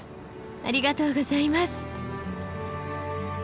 ありがとうございます。